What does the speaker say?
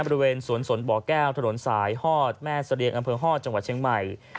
บริเวณสวนสนบ่อแก้วถนนสายฮอดแม่เสรียงอำเภอฮอตจังหวัดเชียงใหม่